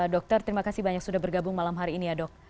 dokter terima kasih banyak sudah bergabung malam hari ini ya dok